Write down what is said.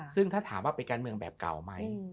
ซึ่งถ้าถามว่าเป็นการเมืองแบบเก่าไหม